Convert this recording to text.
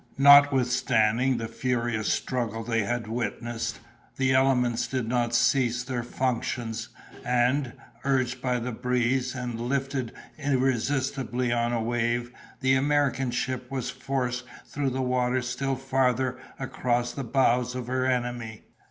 Notwithstanding the furious struggle they had witnessed, the elements did not cease their functions; and, urged by the breeze, and lifted irresistibly on a wave, the American ship was forced through the water still farther across the bows of her enemy.